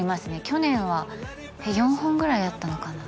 去年は４本ぐらいあったのかな？